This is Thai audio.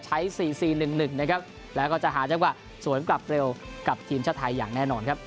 ใช้๔๔๑๑นะครับแล้วก็จะหาจังหวะสวนกลับเร็วกับทีมชาติไทยอย่างแน่นอนครับ